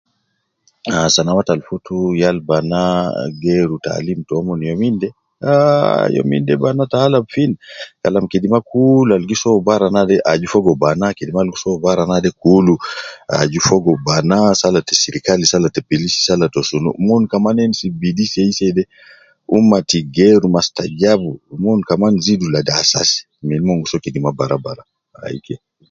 Ahh sanawat al futu yal bana geeru taalim taumon, youminde aaah youminde banaa taalab fi kalam kidima kuulu al fi bara naa aju fogo banaa, kidima al gi so bara naade kulu aju fogo banaa sala ta sirikali sala ta bolis sala ta sunu, mon kaman edis biddi seiseide umati geeru mastajabu mon kaman zidu ladi asas min mon gi so kidima baraabaraa.